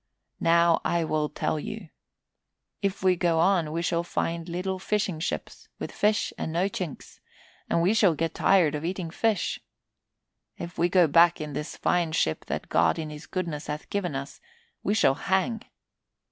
Now I will tell you. If we go on, we shall find little fishing ships, with fish and no chinks, and we shall get tired of eating fish. If we go back in this fine ship that God in his goodness hath given us, we shall hang.